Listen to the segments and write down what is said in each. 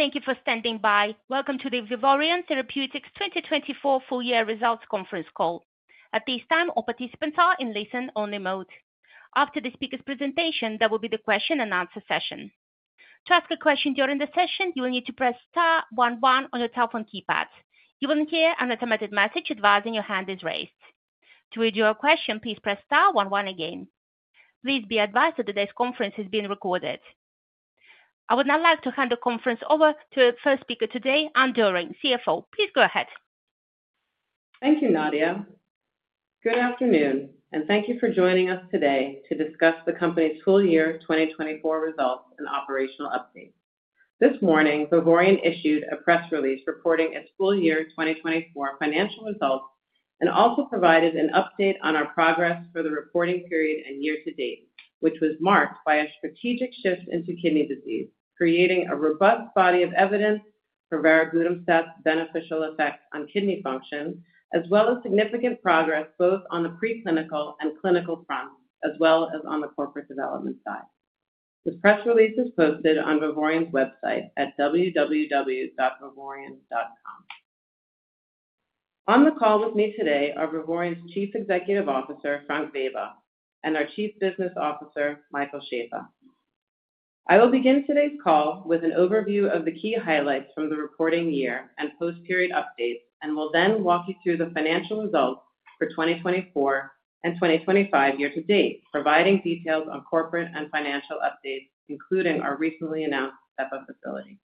Thank you for standing by. Welcome to the Vivoryon Therapeutics 2024 full-year results conference call. At this time, all participants are in listen-only mode. After the speaker's presentation, there will be the question and answer session. To ask a question during the session, you will need to press star one one on your telephone keypad. You will hear an automated message advising your hand is raised. To read your question, please press star one one again. Please be advised that today's conference is being recorded. I would now like to hand the conference over to our first speaker today, Anne Doering, CFO. Please go ahead. Thank you, Nadia. Good afternoon, and thank you for joining us today to discuss the company's full-year 2024 results and operational updates. This morning, Vivoryon issued a press release reporting its full-year 2024 financial results and also provided an update on our progress for the reporting period and year-to-date, which was marked by a strategic shift into kidney disease, creating a robust body of evidence for varoglutamstat's beneficial effects on kidney function, as well as significant progress both on the preclinical and clinical fronts, as well as on the corporate development side. This press release is posted on Vivoryon's website at www.vivoryon.com. On the call with me today are Vivoryon's Chief Executive Officer, Frank Weber, and our Chief Business Officer, Michael Schaeffer. I will begin today's call with an overview of the key highlights from the reporting year and post-period updates, and will then walk you through the financial results for 2024 and 2025 year-to-date, providing details on corporate and financial updates, including our recently announced SEPA facility.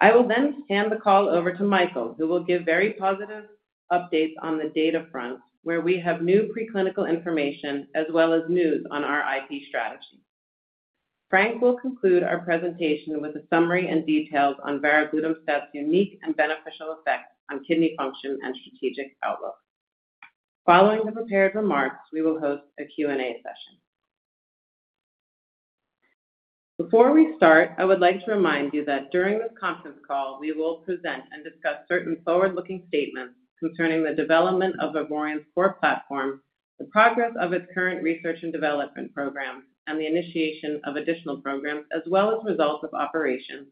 I will then hand the call over to Michael, who will give very positive updates on the data fronts, where we have new preclinical information as well as news on our IP strategy. Frank will conclude our presentation with a summary and details on varoglutamstat's unique and beneficial effects on kidney function and strategic outlook. Following the prepared remarks, we will host a Q&A session. Before we start, I would like to remind you that during this conference call, we will present and discuss certain forward-looking statements concerning the development of Vivoryon's core platform, the progress of its current research and development program, and the initiation of additional programs, as well as results of operations,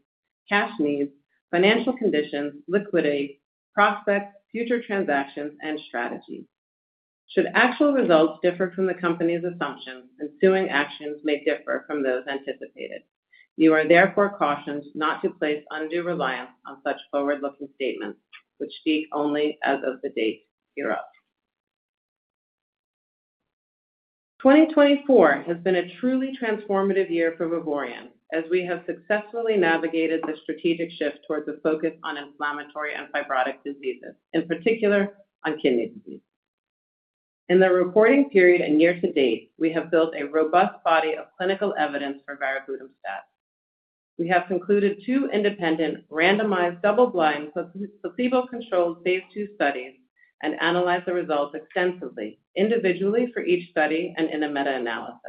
cash needs, financial conditions, liquidity, prospects, future transactions, and strategy. Should actual results differ from the company's assumptions, ensuing actions may differ from those anticipated. You are therefore cautioned not to place undue reliance on such forward-looking statements, which speak only as of the date hereof. 2024 has been a truly transformative year for Vivoryon, as we have successfully navigated the strategic shift towards a focus on inflammatory and fibrotic diseases, in particular on kidney disease. In the reporting period and year-to-date, we have built a robust body of clinical evidence for varoglutamstat. We have concluded two independent, randomized double-blind, placebo-controlled phase II studies and analyzed the results extensively, individually for each study and in a meta-analysis.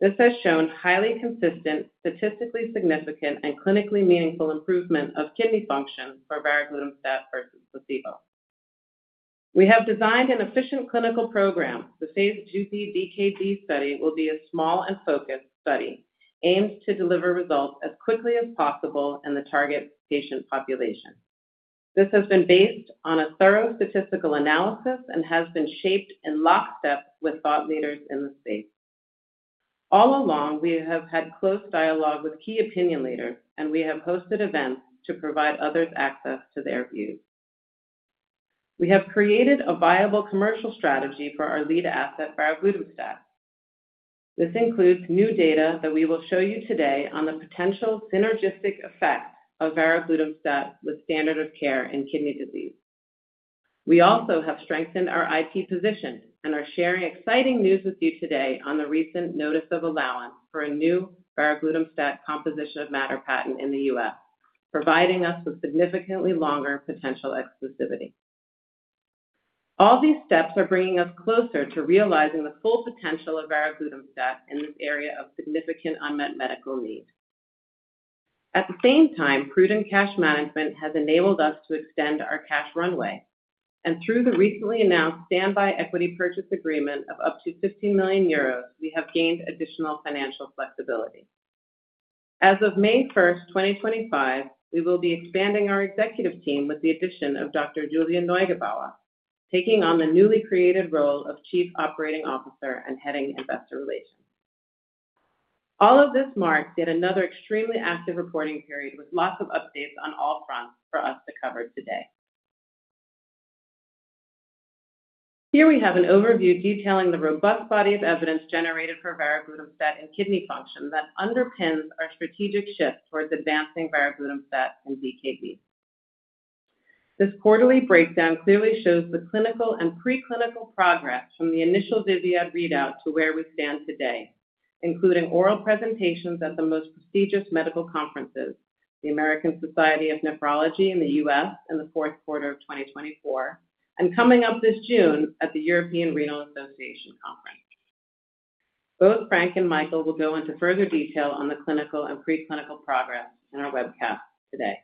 This has shown highly consistent, statistically significant, and clinically meaningful improvement of kidney function for varoglutamstat versus placebo. We have designed an efficient clinical program. The phase II B DKD study will be a small and focused study aimed to deliver results as quickly as possible and the target patient population. This has been based on a thorough statistical analysis and has been shaped in lockstep with thought leaders in the space. All along, we have had close dialogue with key opinion leaders, and we have hosted events to provide others access to their views. We have created a viable commercial strategy for our lead asset, varoglutamstat. This includes new data that we will show you today on the potential synergistic effects of varoglutamstat with standard of care in kidney disease. We also have strengthened our IP position and are sharing exciting news with you today on the recent notice of allowance for a new varoglutamstat composition of matter patent in the U.S., providing us with significantly longer potential exclusivity. All these steps are bringing us closer to realizing the full potential of varoglutamstat in this area of significant unmet medical need. At the same time, prudent cash management has enabled us to extend our cash runway, and through the recently announced standby equity purchase agreement of up to 15 million euros, we have gained additional financial flexibility. As of May 1st, 2025, we will be expanding our executive team with the addition of Dr. Julia Neugebauer, taking on the newly created role of Chief Operating Officer and heading investor relations. All of this marks yet another extremely active reporting period with lots of updates on all fronts for us to cover today. Here we have an overview detailing the robust body of evidence generated for varoglutamstat in kidney function that underpins our strategic shift towards advancing varoglutamstat in DKD. This quarterly breakdown clearly shows the clinical and preclinical progress from the initial VIVIAD readout to where we stand today, including oral presentations at the most prestigious medical conferences, the American Society of Nephrology in the U.S. in the fourth quarter of 2024, and coming up this June at the European Renal Association Conference. Both Frank and Michael will go into further detail on the clinical and preclinical progress in our webcast today.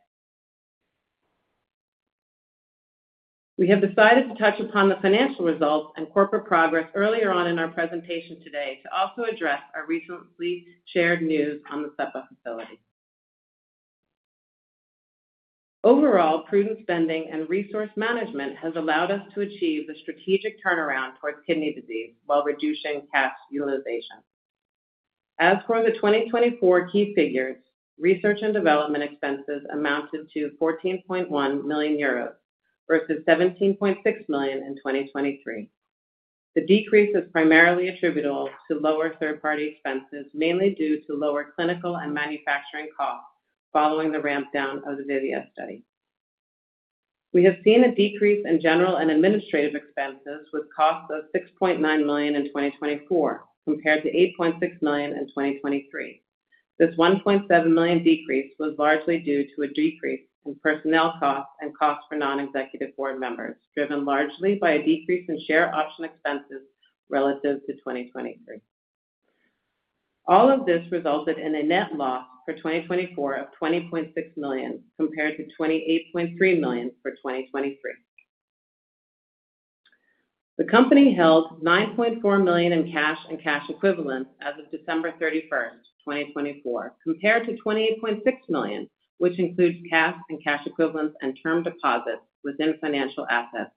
We have decided to touch upon the financial results and corporate progress earlier on in our presentation today to also address our recently shared news on the SEPA facility. Overall, prudent spending and resource management has allowed us to achieve the strategic turnaround towards kidney disease while reducing cash utilization. As for the 2024 key figures, research and development expenses amounted to 14.1 million euros versus 17.6 million in 2023. The decrease is primarily attributable to lower third-party expenses, mainly due to lower clinical and manufacturing costs following the ramp-down of the VIVIAD study. We have seen a decrease in general and administrative expenses with costs of 6.9 million in 2024 compared to 8.6 million in 2023. This 1.7 million decrease was largely due to a decrease in personnel costs and costs for non-executive board members, driven largely by a decrease in share option expenses relative to 2023. All of this resulted in a net loss for 2024 of 20.6 million compared to 28.3 million for 2023. The company held 9.4 million in cash and cash equivalents as of December 31st, 2024, compared to 28.6 million, which includes cash and cash equivalents and term deposits within financial assets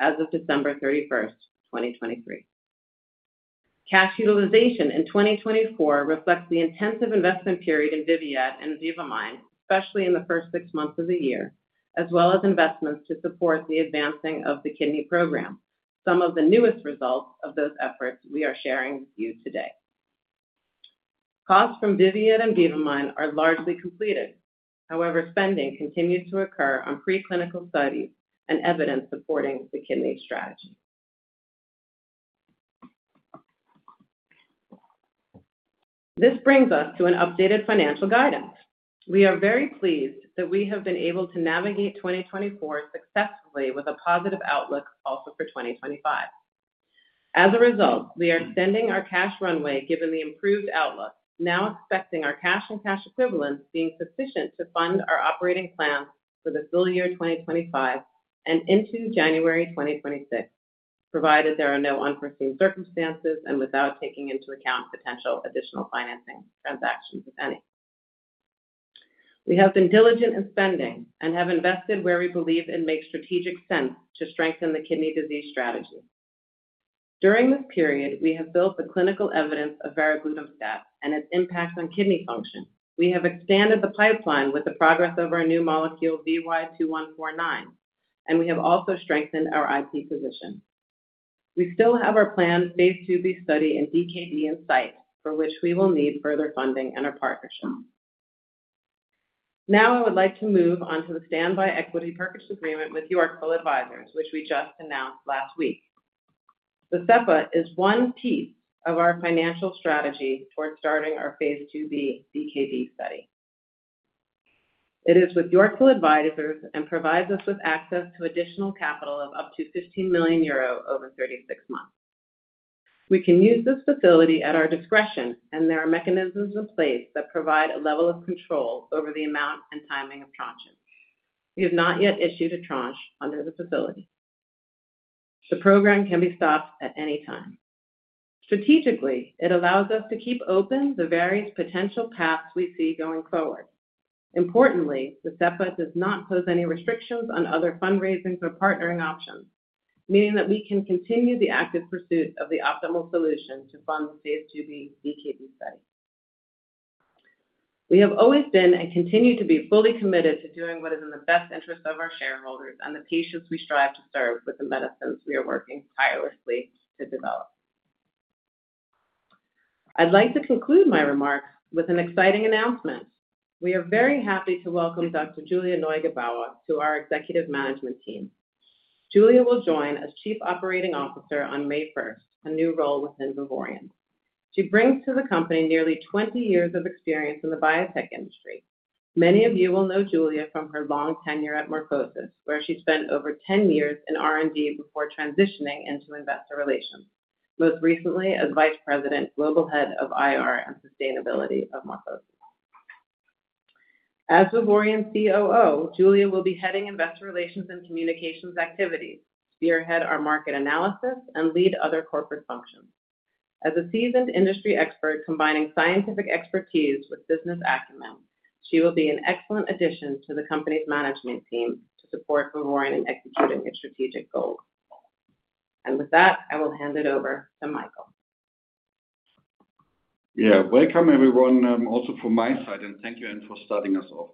as of December 31st, 2023. Cash utilization in 2024 reflects the intensive investment period in VIVIAD and VIVA-MIND, especially in the first six months of the year, as well as investments to support the advancing of the kidney program, some of the newest results of those efforts we are sharing with you today. Costs from VIVIAD and VIVA-MIND are largely completed. However, spending continues to occur on preclinical studies and evidence supporting the kidney strategy. This brings us to an updated financial guidance. We are very pleased that we have been able to navigate 2024 successfully with a positive outlook also for 2025. As a result, we are extending our cash runway given the improved outlook, now expecting our cash and cash equivalents being sufficient to fund our operating plan for the full year 2025 and into January 2026, provided there are no unforeseen circumstances and without taking into account potential additional financing transactions, if any. We have been diligent in spending and have invested where we believe it makes strategic sense to strengthen the kidney disease strategy. During this period, we have built the clinical evidence of varoglutamstat and its impact on kidney function. We have expanded the pipeline with the progress of our new molecule VY2149, and we have also strengthened our IP position. We still have our planned phase IIb study in DKD in sight, for which we will need further funding and our partnership. Now, I would like to move on to the standby equity purchase agreement with Yorkville Advisors, which we just announced last week. The SEPA is one piece of our financial strategy towards starting our phase II-B DKD study. It is with Yorkville Advisors and provides us with access to additional capital of up to 15 million euro over 36 months. We can use this facility at our discretion, and there are mechanisms in place that provide a level of control over the amount and timing of tranches. We have not yet issued a tranche under the facility. The program can be stopped at any time. Strategically, it allows us to keep open the various potential paths we see going forward. Importantly, the SEPA does not pose any restrictions on other fundraising or partnering options, meaning that we can continue the active pursuit of the optimal solution to fund the phase II-B DKD study. We have always been and continue to be fully committed to doing what is in the best interest of our shareholders and the patients we strive to serve with the medicines we are working tirelessly to develop. I'd like to conclude my remarks with an exciting announcement. We are very happy to welcome Dr. Julia Neugebauer to our executive management team. Julia will join as Chief Operating Officer on May 1st, a new role within Vivoryon. She brings to the company nearly 20 years of experience in the biotech industry. Many of you will know Julia from her long tenure at MorphoSys, where she spent over 10 years in R&D before transitioning into investor relations, most recently as Vice President, Global Head of IR and Sustainability of MorphoSys. As Vivoryon's COO, Julia will be heading investor relations and communications activities, spearhead our market analysis, and lead other corporate functions. As a seasoned industry expert combining scientific expertise with business acumen, she will be an excellent addition to the company's management team to support Vivoryon in executing its strategic goals. With that, I will hand it over to Michael. Yeah, welcome, everyone, also from my side, and thank you for starting us off.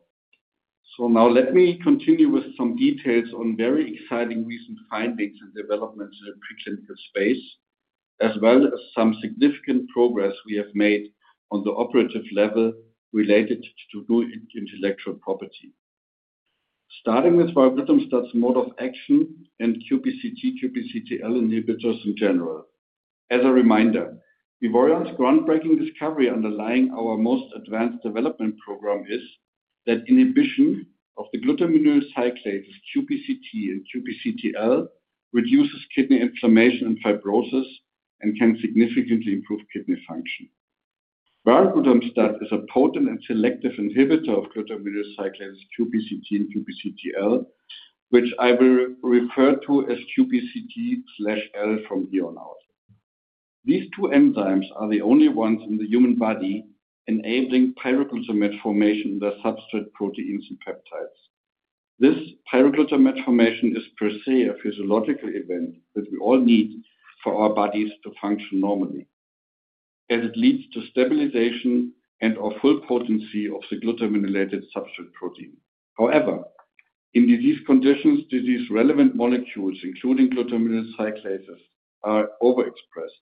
Let me continue with some details on very exciting recent findings and developments in the preclinical space, as well as some significant progress we have made on the operative level related to intellectual property. Starting with varoglutamstat's mode of action and QPCT, QPCTL inhibitors in general. As a reminder, Vivoryon's groundbreaking discovery underlying our most advanced development program is that inhibition of the glutaminyl cyclase QPCT and QPCTL reduces kidney inflammation and fibrosis and can significantly improve kidney function. Varoglutamstat is a potent and selective inhibitor of glutaminyl cyclase QPCT and QPCTL, which I will refer to as QPCT/L from here on out. These two enzymes are the only ones in the human body enabling pyroglutamate formation in the substrate proteins and peptides. This pyroglutamate formation is per se a physiological event that we all need for our bodies to function normally, as it leads to stabilization and/or full potency of the glutaminylated substrate protein. However, in disease conditions, disease-relevant molecules, including glutaminyl cyclases, are overexpressed.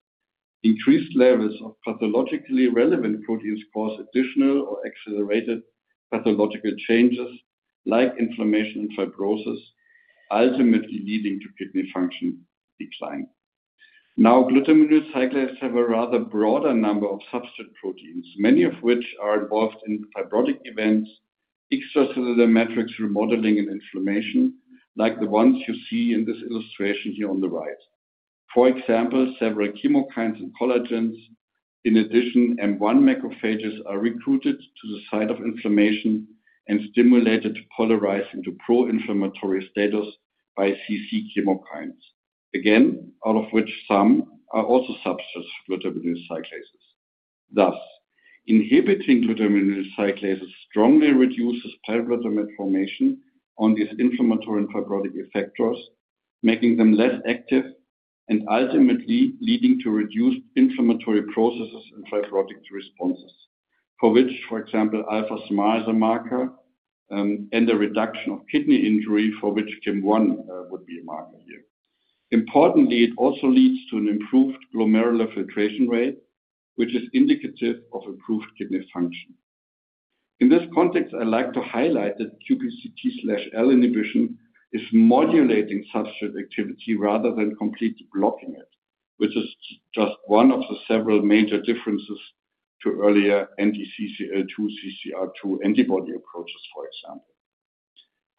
Increased levels of pathologically relevant proteins cause additional or accelerated pathological changes like inflammation and fibrosis, ultimately leading to kidney function decline. Now, glutaminyl cyclases have a rather broader number of substrate proteins, many of which are involved in fibrotic events, extracellular matrix remodeling, and inflammation, like the ones you see in this illustration here on the right. For example, several chemokines and collagens, in addition, M1 macrophages are recruited to the site of inflammation and stimulated to polarize into pro-inflammatory states by CC chemokines, again, out of which some are also substrates of glutaminyl cyclases. Thus, inhibiting glutaminyl cyclases strongly reduces pyroglutamate formation on these inflammatory and fibrotic effectors, making them less active and ultimately leading to reduced inflammatory processes and fibrotic responses, for which, for example, alpha-smooth muscle actin is a marker and a reduction of kidney injury, for which KIM-1 would be a marker here. Importantly, it also leads to an improved glomerular filtration rate, which is indicative of improved kidney function. In this context, I'd like to highlight that QPCT/L inhibition is modulating substrate activity rather than completely blocking it, which is just one of the several major differences to earlier anti-CCL2, CCR2 antibody approaches, for example.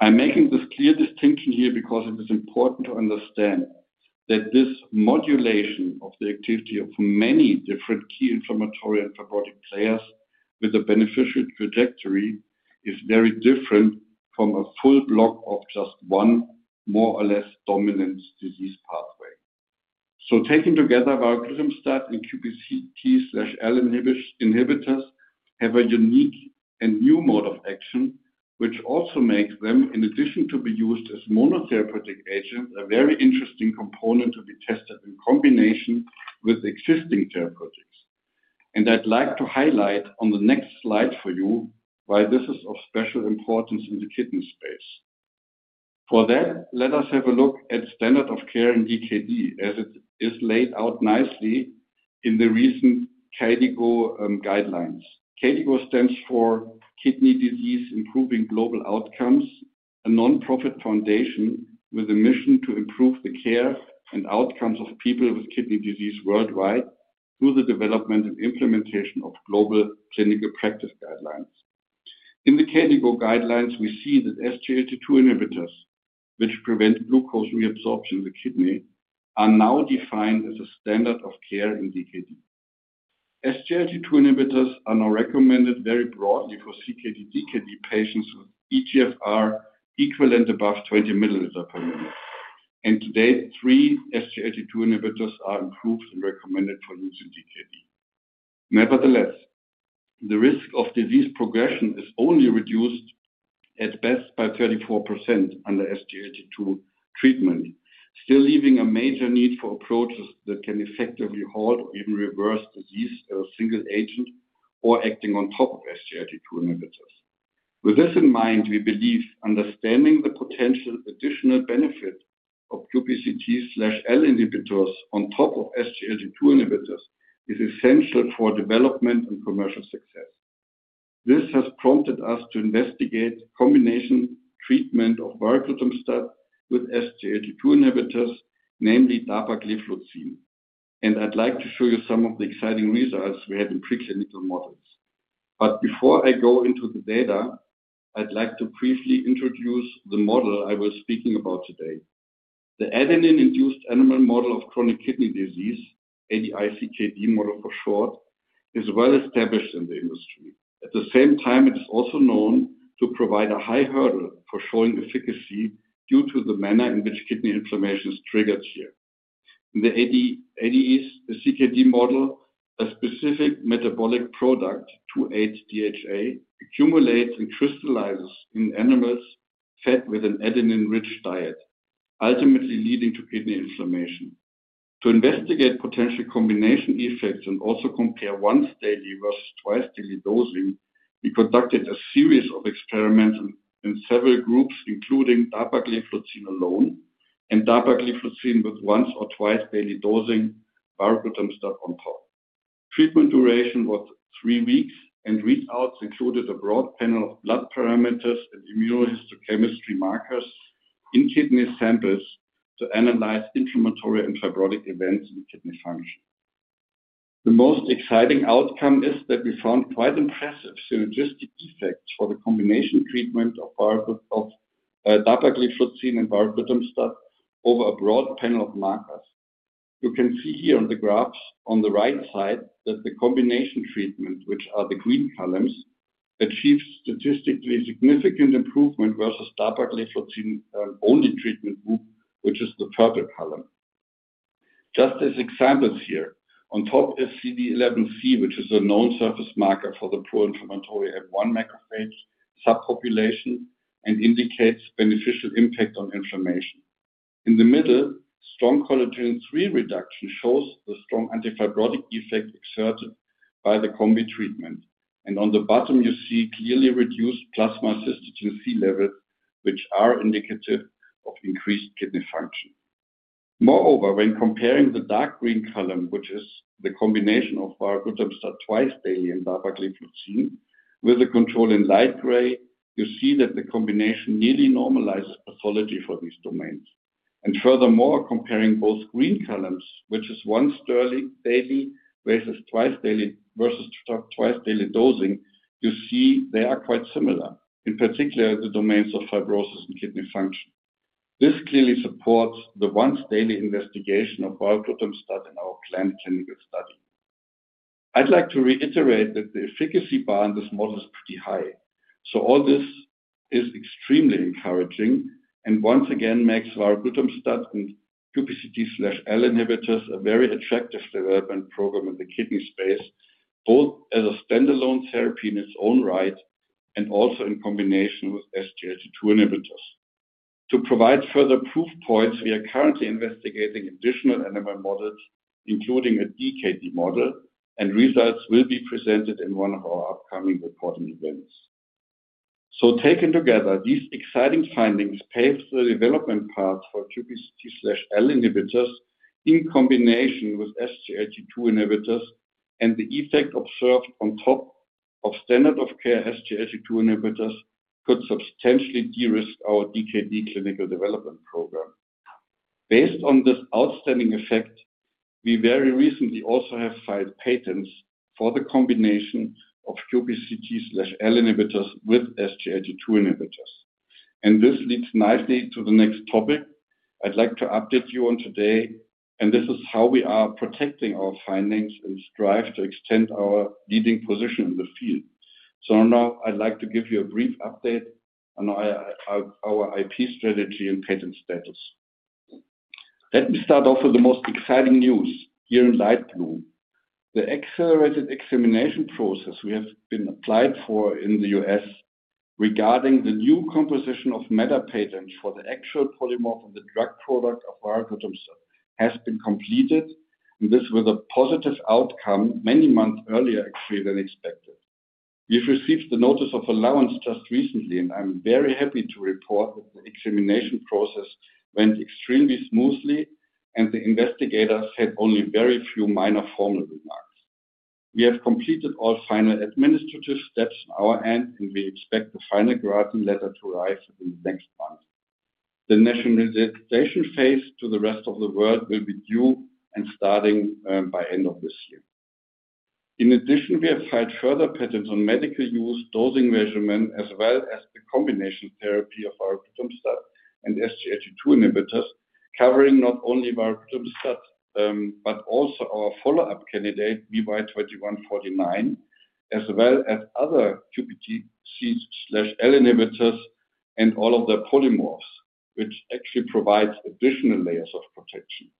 I'm making this clear distinction here because it is important to understand that this modulation of the activity of many different key inflammatory and fibrotic players with a beneficial trajectory is very different from a full block of just one more or less dominant disease pathway. Taken together, varoglutamstat and QPCT/L inhibitors have a unique and new mode of action, which also makes them, in addition to being used as monotherapeutic agents, a very interesting component to be tested in combination with existing therapeutics. I'd like to highlight on the next slide for you why this is of special importance in the kidney space. For that, let us have a look at standard of care in DKD, as it is laid out nicely in the recent KDIGO guidelines. KDIGO stands for Kidney Disease Improving Global Outcomes, a nonprofit foundation with a mission to improve the care and outcomes of people with kidney disease worldwide through the development and implementation of global clinical practice guidelines. In the KDIGO guidelines, we see that SGLT2 inhibitors, which prevent glucose reabsorption in the kidney, are now defined as a standard of care in DKD. SGLT2 inhibitors are now recommended very broadly for CKD DKD patients with eGFR equivalent above 20 milliliter per minute. Today, three SGLT2 inhibitors are approved and recommended for use in DKD. Nevertheless, the risk of disease progression is only reduced at best by 34% under SGLT2 treatment, still leaving a major need for approaches that can effectively halt or even reverse disease as a single agent or acting on top of SGLT2 inhibitors. With this in mind, we believe understanding the potential additional benefit of QPCT/L inhibitors on top of SGLT2 inhibitors is essential for development and commercial success. This has prompted us to investigate combination treatment of varoglutamstat with SGLT2 inhibitors, namely dapagliflozin. I'd like to show you some of the exciting results we had in preclinical models. Before I go into the data, I'd like to briefly introduce the model I was speaking about today. The adenine-induced animal model of chronic kidney disease, ADICKD model for short, is well established in the industry. At the same time, it is also known to provide a high hurdle for showing efficacy due to the manner in which kidney inflammation is triggered here. In the ADICKD model, a specific metabolic product, 2,8-DHA, accumulates and crystallizes in animals fed with an adenine-rich diet, ultimately leading to kidney inflammation. To investigate potential combination effects and also compare once daily versus twice daily dosing, we conducted a series of experiments in several groups, including dapagliflozin alone and dapagliflozin with once or twice daily dosing varoglutamstat on top. Treatment duration was three weeks, and readouts included a broad panel of blood parameters and immunohistochemistry markers in kidney samples to analyze inflammatory and fibrotic events in kidney function. The most exciting outcome is that we found quite impressive synergistic effects for the combination treatment of dapagliflozin and varoglutamstat over a broad panel of markers. You can see here on the graphs on the right side that the combination treatment, which are the green columns, achieves statistically significant improvement versus dapagliflozin-only treatment group, which is the purple column. Just as examples here, on top is CD11c, which is a known surface marker for the pro-inflammatory M1 macrophage subpopulation and indicates beneficial impact on inflammation. In the middle, strong collagen III reduction shows the strong antifibrotic effect exerted by the combi treatment. On the bottom, you see clearly reduced plasma cystatin C levels, which are indicative of increased kidney function. Moreover, when comparing the dark green column, which is the combination of varoglutamstat twice daily and dapagliflozin with the control in light gray, you see that the combination nearly normalizes pathology for these domains. Furthermore, comparing both green columns, which is once daily versus twice daily versus twice daily dosing, you see they are quite similar, in particular the domains of fibrosis and kidney function. This clearly supports the once daily investigation of varoglutamstat in our planned clinical study. I'd like to reiterate that the efficacy bar in this model is pretty high. All this is extremely encouraging and once again makes varoglutamstat and QPCT/L inhibitors a very attractive development program in the kidney space, both as a standalone therapy in its own right and also in combination with SGLT2 inhibitors. To provide further proof points, we are currently investigating additional animal models, including a DKD model, and results will be presented in one of our upcoming reporting events. Taken together, these exciting findings pave the development path for QPCT/L inhibitors in combination with SGLT2 inhibitors, and the effect observed on top of standard of care SGLT2 inhibitors could substantially de-risk our DKD clinical development program. Based on this outstanding effect, we very recently also have filed patents for the combination of QPCT/L inhibitors with SGLT2 inhibitors. This leads nicely to the next topic I'd like to update you on today. This is how we are protecting our findings and strive to extend our leading position in the field. Now I'd like to give you a brief update on our IP strategy and patent status. Let me start off with the most exciting news here in Light Blue. The accelerated examination process we have been applied for in the U.S. regarding the new composition of matter patents for the actual polymorph and the drug product of varoglutamstat has been completed, and this was a positive outcome many months earlier, actually, than expected. We've received the notice of allowance just recently, and I'm very happy to report that the examination process went extremely smoothly, and the investigators had only very few minor formal remarks. We have completed all final administrative steps on our end, and we expect the final granting letter to arrive within the next month. The nationalization phase to the rest of the world will be due and starting by end of this year. In addition, we have filed further patents on medical use, dosing measurement, as well as the combination therapy of varoglutamstat and SGLT2 inhibitors, covering not only varoglutamstat but also our follow-up candidate VY2149, as well as other QPCT/L inhibitors and all of their polymorphs, which actually provides additional layers of protection.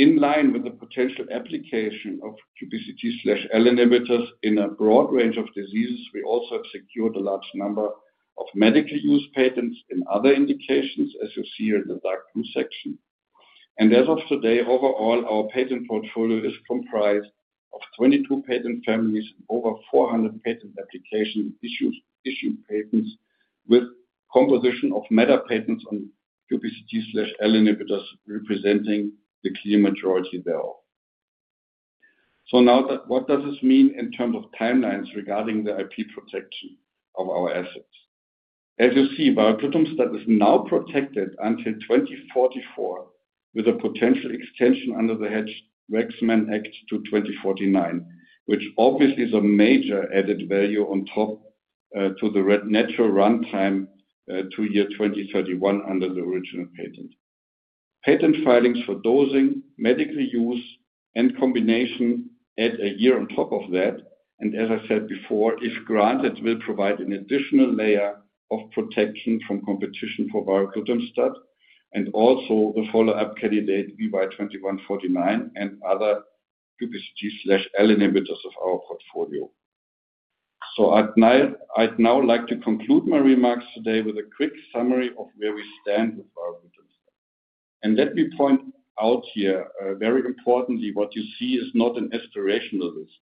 In line with the potential application of QPCT/L inhibitors in a broad range of diseases, we also have secured a large number of medical use patents and other indications, as you see here in the dark blue section. As of today, overall, our patent portfolio is comprised of 22 patent families and over 400 patent application issue patents with composition of matter patents on QPCT/L inhibitors representing the clear majority thereof. Now, what does this mean in terms of timelines regarding the IP protection of our assets? As you see, varoglutamstat is now protected until 2044 with a potential extension under the Hatch-Waxman Act to 2049, which obviously is a major added value on top to the natural runtime to year 2031 under the original patent. Patent filings for dosing, medical use, and combination add a year on top of that. As I said before, if granted, it will provide an additional layer of protection from competition for varoglutamstat and also the follow-up candidate VY2149 and other QPCT/L inhibitors of our portfolio. I would now like to conclude my remarks today with a quick summary of where we stand with varoglutamstat. Let me point out here, very importantly, what you see is not an aspirational list.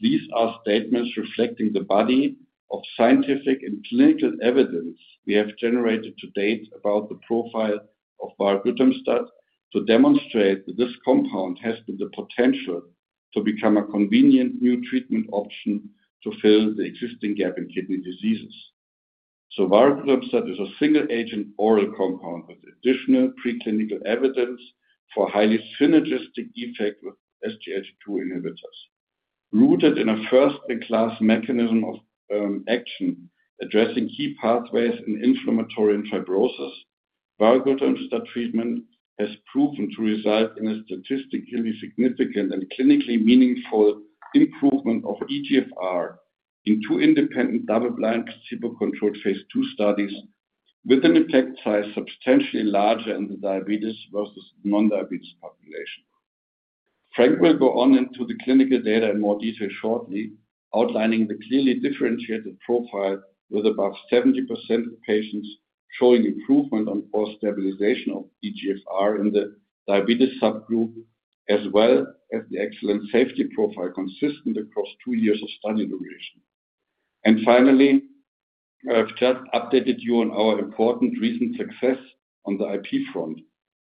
These are statements reflecting the body of scientific and clinical evidence we have generated to date about the profile of varoglutamstat to demonstrate that this compound has the potential to become a convenient new treatment option to fill the existing gap in kidney diseases. Varoglutamstat is a single-agent oral compound with additional preclinical evidence for highly synergistic effect with SGLT2 inhibitors. Rooted in a first-in-class mechanism of action addressing key pathways in inflammatory and fibrosis, varoglutamstat treatment has proven to result in a statistically significant and clinically meaningful improvement of eGFR in two independent double-blind placebo-controlled phase II studies with an effect size substantially larger in the diabetes versus non-diabetes population. Frank will go on into the clinical data in more detail shortly, outlining the clearly differentiated profile with about 70% of patients showing improvement on post-stabilization of eGFR in the diabetes subgroup, as well as the excellent safety profile consistent across two years of study duration. I have just updated you on our important recent success on the IP front,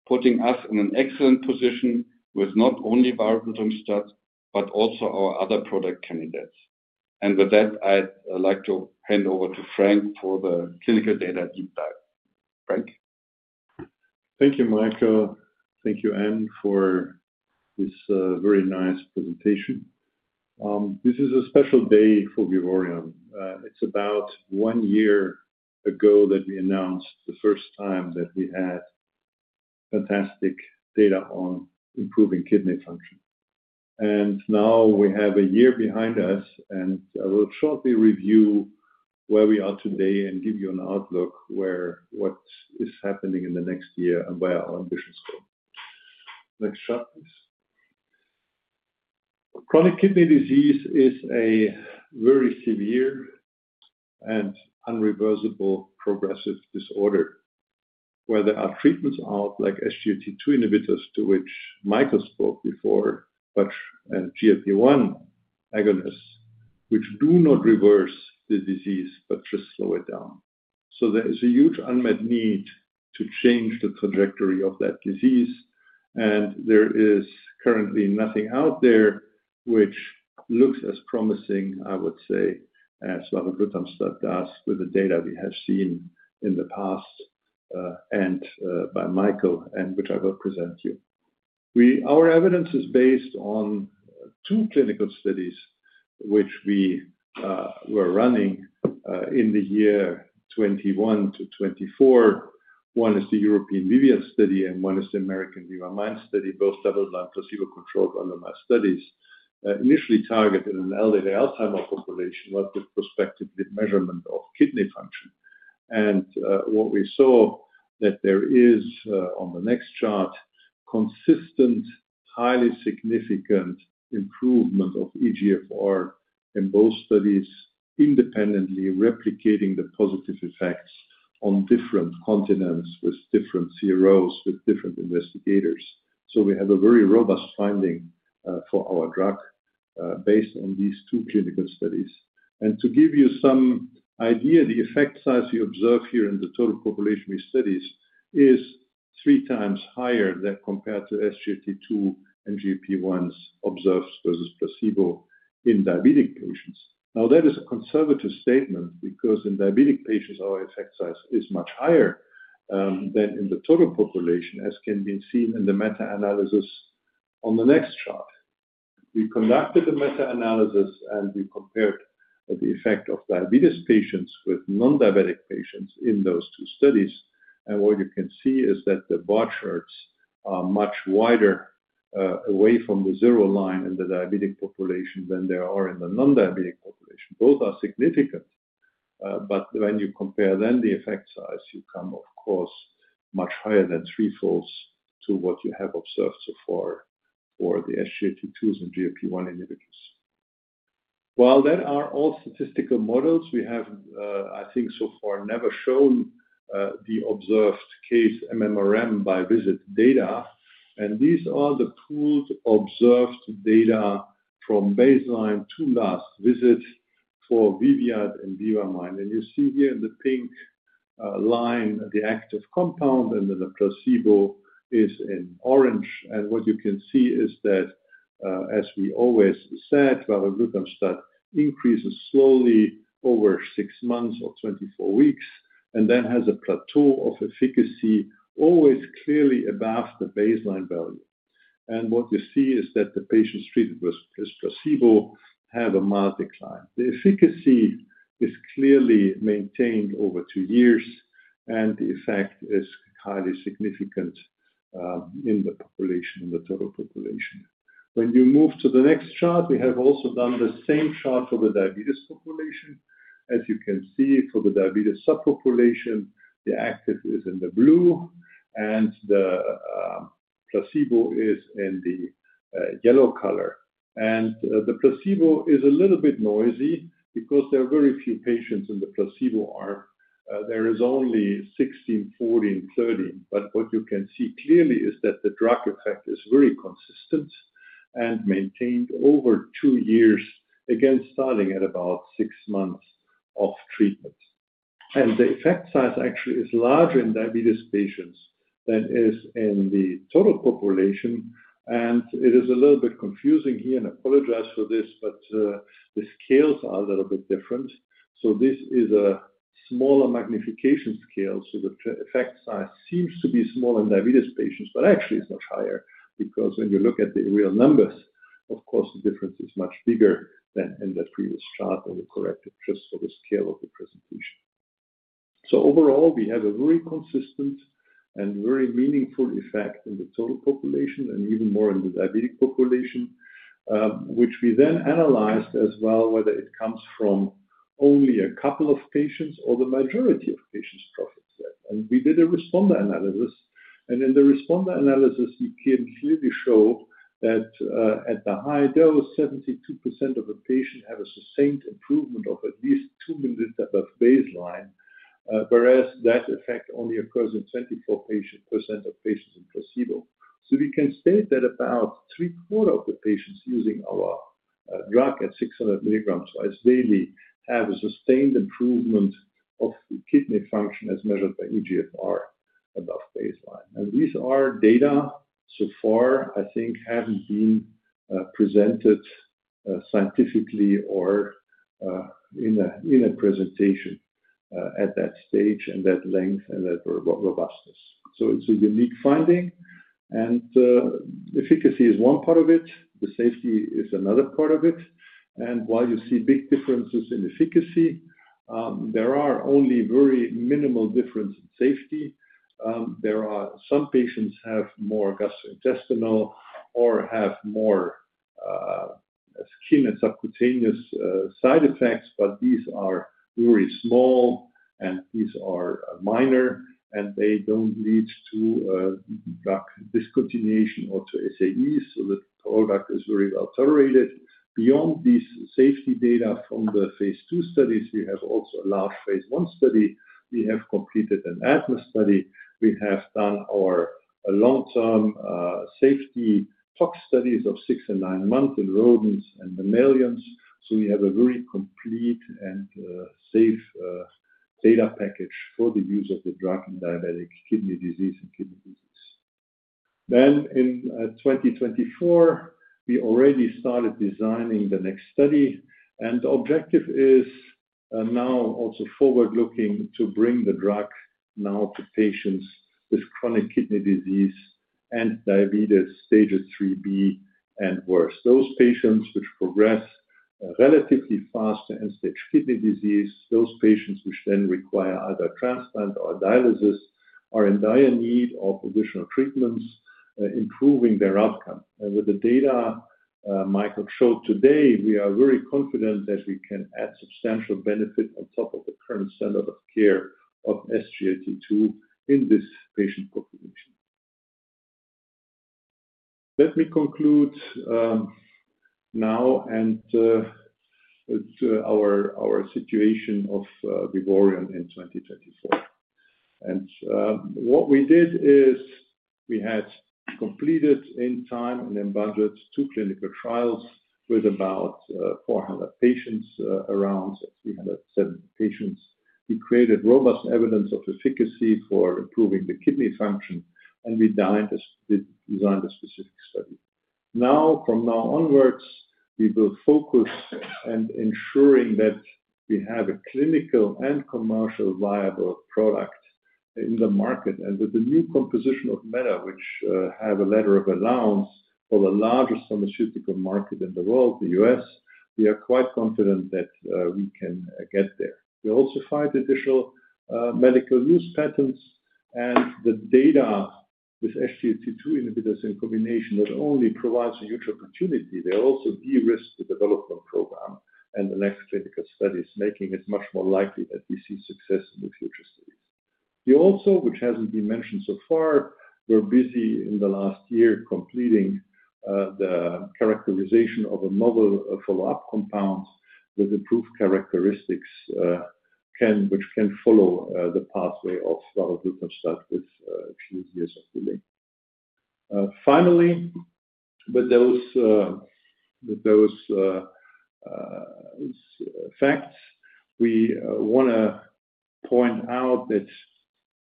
putting us in an excellent position with not only varoglutamstat but also our other product candidates. With that, I would like to hand over to Frank for the clinical data deep dive. Frank? Thank you, Mike. Thank you, Anne, for this very nice presentation. This is a special day for Vivoryon. It is about one year ago that we announced the first time that we had fantastic data on improving kidney function. We have a year behind us, and I will shortly review where we are today and give you an outlook on what is happening in the next year and where our ambitions go. Next shot, please. Chronic kidney disease is a very severe and unreversible progressive disorder where there are treatments out like SGLT2 inhibitors to which Michael spoke before, but GLP-1 agonists which do not reverse the disease but just slow it down. There is a huge unmet need to change the trajectory of that disease, and there is currently nothing out there which looks as promising, I would say, as varoglutamstat does with the data we have seen in the past and by Michael, and which I will present to you. Our evidence is based on two clinical studies which we were running in the year 2021 to 2024. One is the European VIVIAD study, and one is the American VIVA-MIND study, both double-blind placebo-controlled randomized studies initially targeted in an elderly Alzheimer's population with prospective measurement of kidney function. What we saw is that there is, on the next chart, consistent highly significant improvement of eGFR in both studies independently replicating the positive effects on different continents with different CROs with different investigators. We have a very robust finding for our drug based on these two clinical studies. To give you some idea, the effect size we observe here in the total population we studied is three times higher than compared to SGLT2 and GLP-1s observed versus placebo in diabetic patients. That is a conservative statement because in diabetic patients, our effect size is much higher than in the total population, as can be seen in the meta-analysis on the next chart. We conducted the meta-analysis, and we compared the effect of diabetes patients with non-diabetic patients in those two studies. What you can see is that the bar charts are much wider away from the zero line in the diabetic population than they are in the non-diabetic population. Both are significant, but when you compare then the effect size, you come, of course, much higher than threefolds to what you have observed so far for the SGLT2s and GLP-1 inhibitors. While there are all statistical models, I think so far, we have never shown the observed case MMRM by visit data. These are the pooled observed data from baseline to last visit for VIVIAD and VIVA-MIND. You see here in the pink line the active compound, and then the placebo is in orange. What you can see is that, as we always said, varoglutamstat increases slowly over six months or 24 weeks and then has a plateau of efficacy always clearly above the baseline value. What you see is that the patients treated with placebo have a mild decline. The efficacy is clearly maintained over two years, and the effect is highly significant in the population, in the total population. When you move to the next chart, we have also done the same chart for the diabetes population. As you can see, for the diabetes subpopulation, the active is in the blue, and the placebo is in the yellow color. The placebo is a little bit noisy because there are very few patients in the placebo arm. There is only 16, 14, 30. What you can see clearly is that the drug effect is very consistent and maintained over two years against starting at about six months of treatment. The effect size actually is larger in diabetes patients than is in the total population. It is a little bit confusing here. I apologize for this, but the scales are a little bit different. This is a smaller magnification scale. The effect size seems to be small in diabetes patients, but actually it's much higher because when you look at the real numbers, of course, the difference is much bigger than in the previous chart when we corrected just for the scale of the presentation. Overall, we have a very consistent and very meaningful effect in the total population and even more in the diabetic population, which we then analyzed as well whether it comes from only a couple of patients or the majority of patients' profits. We did a responder analysis. In the responder analysis, we can clearly show that at the high dose, 72% of the patients have a sustained improvement of at least two minutes above baseline, whereas that effect only occurs in 24% of patients in placebo. We can state that about three-quarters of the patients using our drug at 600 mg twice daily have a sustained improvement of kidney function as measured by eGFR above baseline. These are data so far, I think, have not been presented scientifically or in a presentation at that stage and that length and that robustness. It is a unique finding. Efficacy is one part of it. The safety is another part of it. While you see big differences in efficacy, there are only very minimal differences in safety. There are some patients who have more gastrointestinal or have more skin and subcutaneous side effects, but these are very small, and these are minor, and they do not lead to drug discontinuation or to SAEs. The product is very well tolerated. Beyond these safety data from the phase II studies, we have also a large phase I study. We have completed an ADMA study. We have done our long-term safety tox studies of six and nine months in rodents and mammalians. We have a very complete and safe data package for the use of the drug in diabetic kidney disease and kidney disease. In 2024, we already started designing the next study. The objective is now also forward-looking to bring the drug now to patients with chronic kidney disease and diabetes stage 3B and worse. Those patients which progress relatively fast to end-stage kidney disease, those patients which then require either transplant or dialysis are in dire need of additional treatments improving their outcome. With the data Michael showed today, we are very confident that we can add substantial benefit on top of the current standard of care of SGLT2 in this patient population. Let me conclude now and our situation of Vivoryon in 2024. What we did is we had completed in time and in budget two clinical trials with about 400 patients, around 370 patients. We created robust evidence of efficacy for improving the kidney function, and we designed a specific study. Now, from now onwards, we will focus on ensuring that we have a clinical and commercially viable product in the market. With the new composition of matter, which has a letter of allowance for the largest pharmaceutical market in the world, the U.S., we are quite confident that we can get there. We also find additional medical use patterns. The data with SGLT2 inhibitors in combination not only provides a huge opportunity, they also de-risk the development program and the next clinical studies, making it much more likely that we see success in the future studies. We also, which has not been mentioned so far, were busy in the last year completing the characterization of a novel follow-up compound with improved characteristics which can follow the pathway of varoglutamstat with a few years of delay. Finally, with those facts, we want to point out that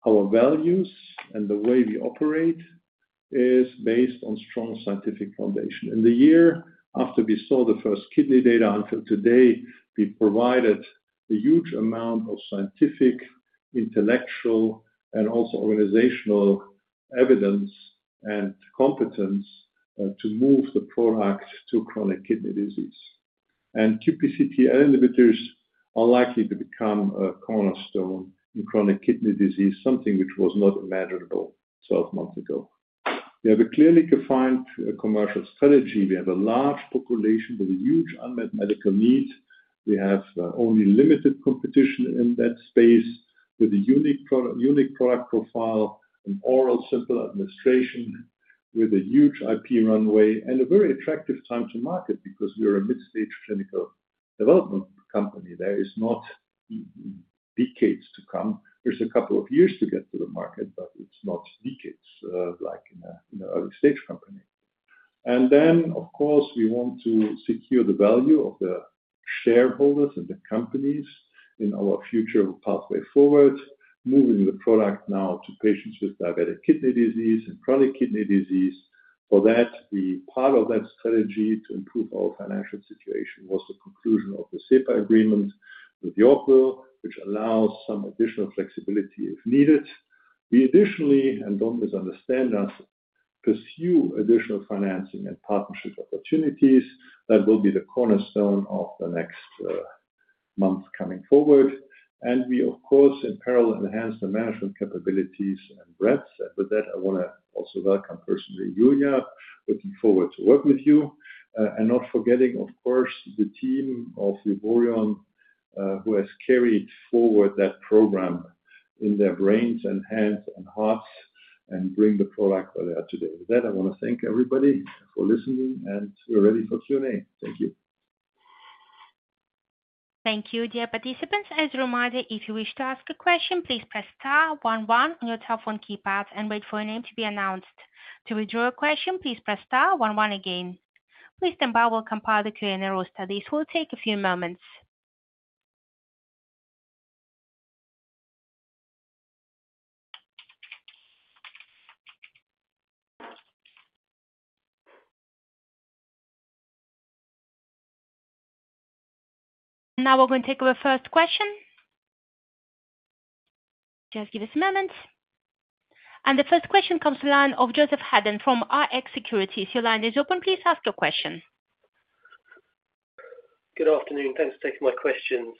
our values and the way we operate is based on strong scientific foundation. In the year after we saw the first kidney data until today, we provided a huge amount of scientific, intellectual, and also organizational evidence and competence to move the product to chronic kidney disease. QPCT/L inhibitors are likely to become a cornerstone in chronic kidney disease, something which was not imaginable 12 months ago. We have a clearly defined commercial strategy. We have a large population with a huge unmet medical need. We have only limited competition in that space with a unique product profile, an oral simple administration with a huge IP runway, and a very attractive time to market because we are a mid-stage clinical development company. There are not decades to come. There's a couple of years to get to the market, but it's not decades like in an early-stage company. Of course, we want to secure the value of the shareholders and the companies in our future pathway forward, moving the product now to patients with diabetic kidney disease and chronic kidney disease. For that, part of that strategy to improve our financial situation was the conclusion of the SEPA agreement with Yorkville, which allows some additional flexibility if needed. We additionally, and don't misunderstand us, pursue additional financing and partnership opportunities that will be the cornerstone of the next months coming forward. We, of course, in parallel enhance the management capabilities and breadth. With that, I want to also welcome personally Julia, looking forward to working with you. Not forgetting, of course, the team of Vivoryon who has carried forward that program in their brains and hands and hearts and bring the product where they are today. With that, I want to thank everybody for listening, and we're ready for Q&A. Thank you. Thank you, dear participants. As a reminder, if you wish to ask a question, please press star one one on your telephone keypad and wait for your name to be announced. To withdraw a question, please press star one one again. Please then bow or compile the Q&A row studies. It will take a few moments. Now we're going to take the first question. Just give us a moment. The first question comes from the line of Joseph Hedden from Rx Securities. If your line is open, please ask your question. Good afternoon. Thanks for taking my questions.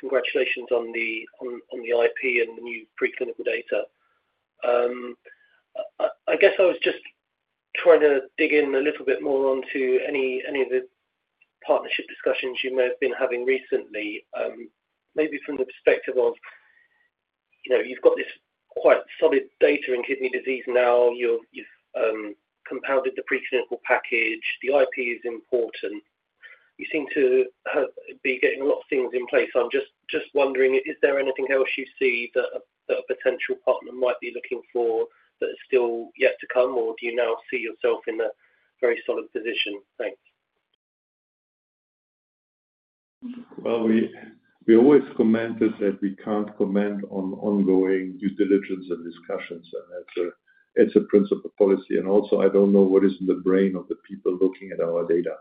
Congratulations on the IP and the new preclinical data. I guess I was just trying to dig in a little bit more onto any of the partnership discussions you may have been having recently, maybe from the perspective of you've got this quite solid data in kidney disease now. You've compounded the preclinical package. The IP is important. You seem to be getting a lot of things in place. I'm just wondering, is there anything else you see that a potential partner might be looking for that is still yet to come, or do you now see yourself in a very solid position? Thanks. We always commented that we can't comment on ongoing due diligence and discussions. It is a principle policy. Also, I don't know what is in the brain of the people looking at our data.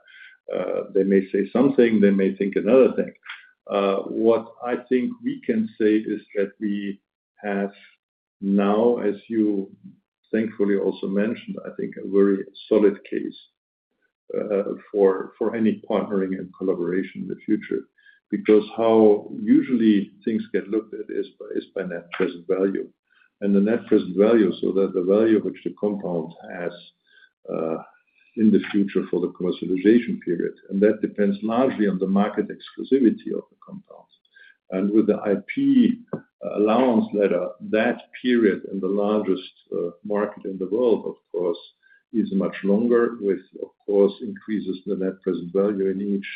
They may say something. They may think another thing. What I think we can say is that we have now, as you thankfully also mentioned, I think, a very solid case for any partnering and collaboration in the future because how usually things get looked at is by net present value. The net present value is the value which the compound has in the future for the commercialization period. That depends largely on the market exclusivity of the compound. With the IP allowance letter, that period in the largest market in the world, of course, is much longer with, of course, increases in the net present value in each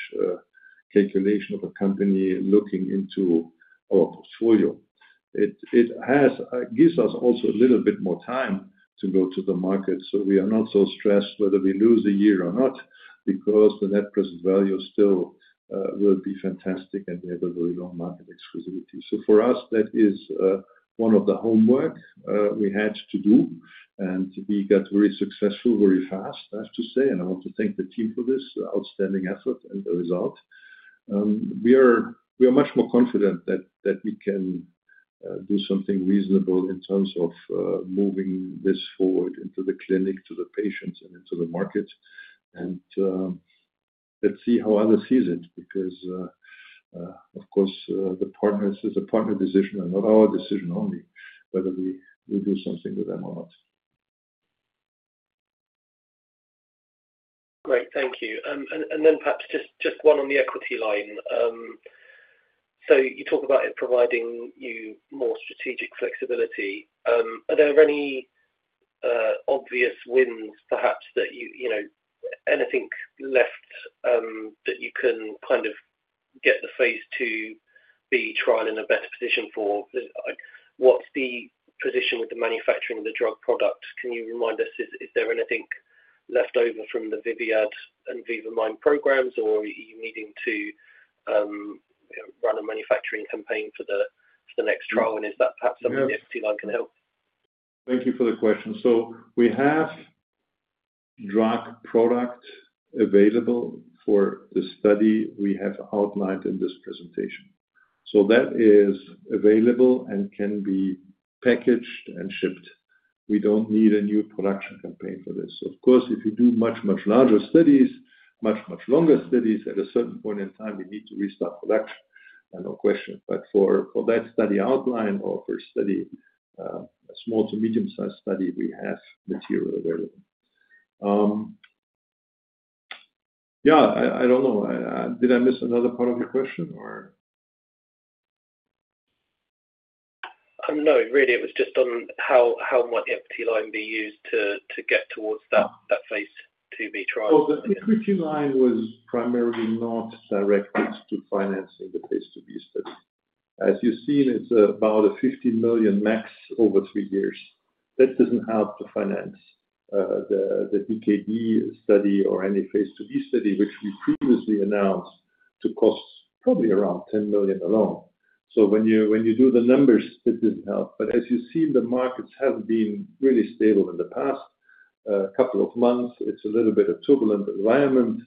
calculation of a company looking into our portfolio. It gives us also a little bit more time to go to the market. We are not so stressed whether we lose a year or not because the net present value still will be fantastic and we have a very long market exclusivity. For us, that is one of the homework we had to do. We got very successful, very fast, I have to say. I want to thank the team for this outstanding effort and the result. We are much more confident that we can do something reasonable in terms of moving this forward into the clinic, to the patients, and into the market. Let's see how others see it because, of course, this is a partner decision and not our decision only, whether we do something with them or not. Great. Thank you. Perhaps just one on the equity line. You talk about it providing you more strategic flexibility. Are there any obvious wins, perhaps, that you anything left that you can kind of get the phase II-B trial in a better position for? What's the position with the manufacturing of the drug product? Can you remind us, is there anything left over from the VIVIADand VIVA-MIND programs, or are you needing to run a manufacturing campaign for the next trial? Is that perhaps something the equity line can help? Thank you for the question. We have drug product available for the study we have outlined in this presentation. That is available and can be packaged and shipped. We do not need a new production campaign for this. Of course, if you do much, much larger studies, much, much longer studies, at a certain point in time, we need to restart production. No question. For that study outline or for a study, a small to medium-sized study, we have material available. Yeah. I don't know. Did I miss another part of your question, or? No, really. It was just on how might the equity line be used to get towards that phase II-B trial? The equity line was primarily not directed to financing the phase IIb study. As you've seen, it's about 50 million max over three years. That doesn't help to finance the DKD study or any phase IIb study, which we previously announced to cost probably around 10 million alone. When you do the numbers, it doesn't help. As you've seen, the markets have been really stable in the past couple of months. It's a little bit of a turbulent environment.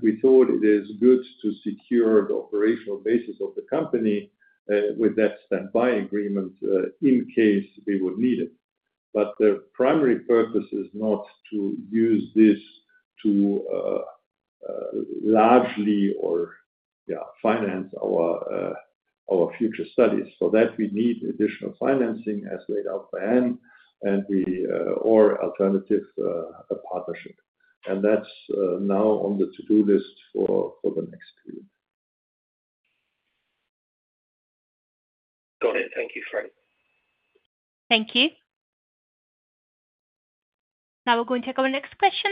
We thought it is good to secure the operational basis of the company with that standby agreement in case we would need it. The primary purpose is not to use this to largely finance our future studies. For that, we need additional financing as laid out by Anne or alternative partnership. That is now on the to-do list for the next period. Got it. Thank you, Frank. Thank you. Now we are going to take our next question.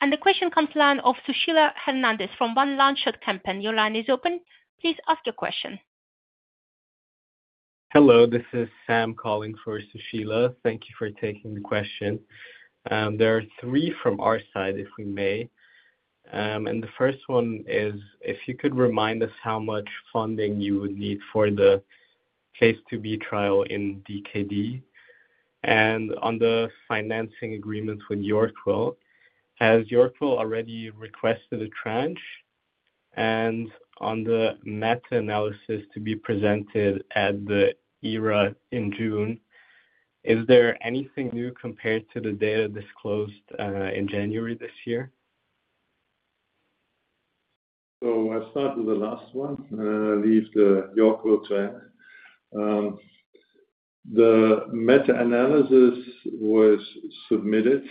The question comes from the line of Susheila Hernandez from Van Lanschot Kempen. Your line is open. Please ask your question. Hello. This is Sam calling for Susheila. Thank you for taking the question. There are three from our side, if we may. The first one is, if you could remind us how much funding you would need for the phase II-B trial in DKD and on the financing agreements with Yorkville. Has Yorkville already requested a tranche? On the meta-analysis to be presented at the ERA in June, is there anything new compared to the data disclosed in January this year? I'll start with the last one. Leave the Yorkville to Anne. The meta-analysis was submitted.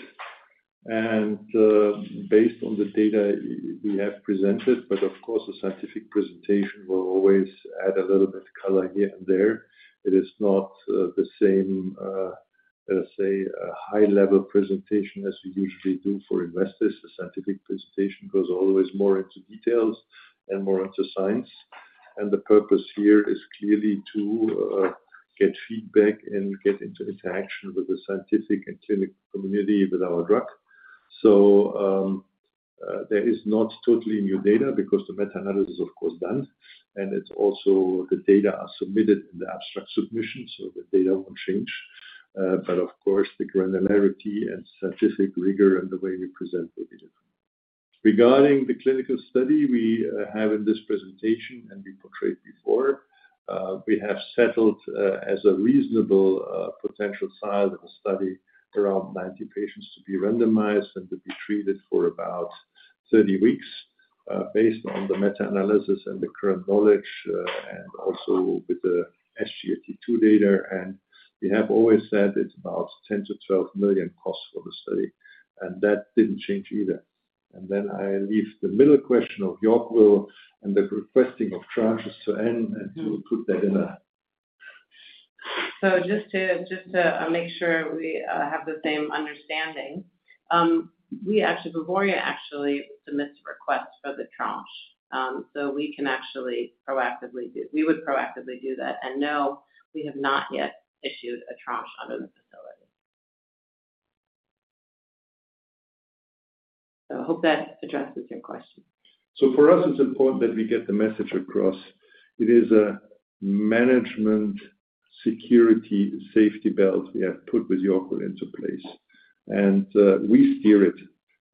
Based on the data we have presented, but of course, the scientific presentation will always add a little bit of color here and there. It is not the same, let us say, high-level presentation as we usually do for investors. The scientific presentation goes always more into details and more into science. The purpose here is clearly to get feedback and get into interaction with the scientific and clinical community with our drug. There is not totally new data because the meta-analysis is, of course, done. Also, the data are submitted in the abstract submission, so the data will not change. Of course, the granularity and scientific rigor and the way we present will be different. Regarding the clinical study we have in this presentation and we portrayed before, we have settled as a reasonable potential size of the study around 90 patients to be randomized and to be treated for about 30 weeks based on the meta-analysis and the current knowledge and also with the SGLT2 data. We have always said it is about 10 million-12 million cost for the study. That did not change either. I leave the middle question of Yorkville and the requesting of tranches to Anne and to put that in a. Just to make sure we have the same understanding, Vivoryon actually submits a request for the tranche. We can actually proactively do that. No, we have not yet issued a tranche under the facility. I hope that addresses your question. For us, it is important that we get the message across. It is a management security safety belt we have put with Yorkville into place. We steer it.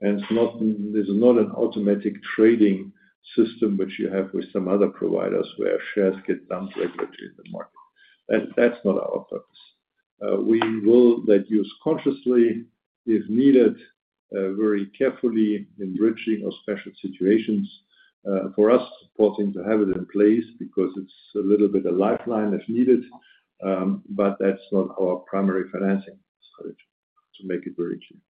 This is not an automatic trading system which you have with some other providers where shares get dumped regularly in the market. That is not our purpose. We will use it consciously if needed, very carefully in bridging or special situations. For us, it's important to have it in place because it's a little bit of a lifeline if needed. That is not our primary financing strategy, to make it very clear.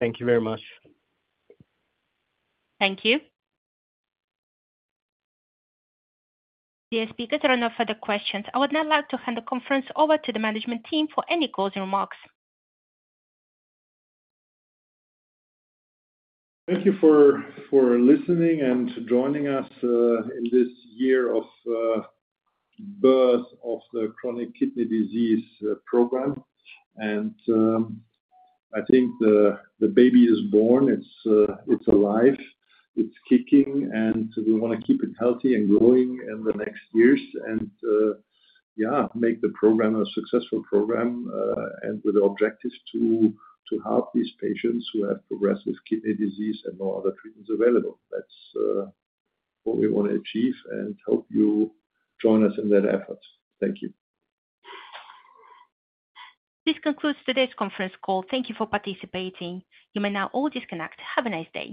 Thank you very much. Thank you. Dear speakers, there are no further questions. I would now like to hand the conference over to the management team for any closing remarks. Thank you for listening and joining us in this year of birth of the chronic kidney disease program. I think the baby is born. It's alive. It's kicking. We want to keep it healthy and growing in the next years and, yeah, make the program a successful program and with the objective to help these patients who have progressive kidney disease and no other treatments available. That is what we want to achieve. Hope you join us in that effort. Thank you. This concludes today's conference call. Thank you for participating. You may now all disconnect. Have a nice day.